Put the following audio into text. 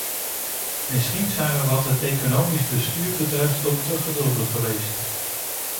Misschien zijn we wat het economisch bestuur betreft ook te geduldig geweest.